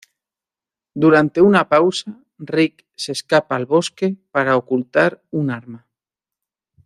Durante una pausa, Rick se escapa al bosque para ocultar un arma.